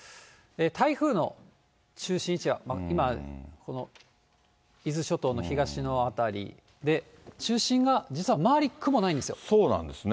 台風の中心位置が今、この伊豆諸島の東の辺りで、中心が実は周り、そうなんですね。